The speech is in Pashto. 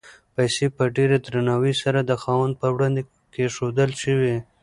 پیسې په ډېر درناوي سره د خاوند په وړاندې کېښودل شوې.